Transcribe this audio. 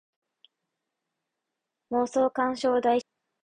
妄想感傷代償連盟